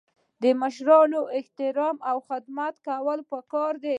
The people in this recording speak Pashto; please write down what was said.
د مشرانو احترام او خدمت کول پکار دي.